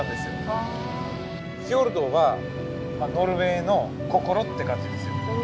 フィヨルドはノルウェーの心って感じですよ。